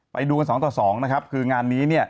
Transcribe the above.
ไปดูสองต่อสองนะครับคืองานนี้เนี่ย